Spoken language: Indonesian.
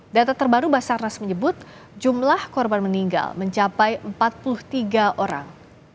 data terbaru basarnas menyebut jumlah korban meninggal mencapai empat puluh tiga orang